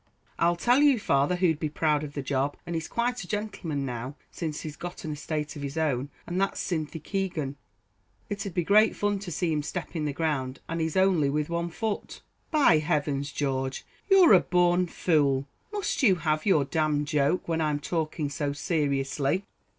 "I'll tell you, father, who'd be proud of the job and he's quite a gentleman now, since he got an estate of his own and that's Cynthy Keegan. It'd be great fun to see him stepping the ground, and he only with one foot." "By heavens, George, you're a born fool; must you have your d d joke, when I'm talking so seriously?"